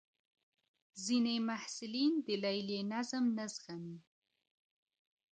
ځینې محصلین د لیلیې نظم نه زغمي.